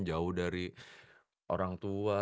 jauh dari orang tua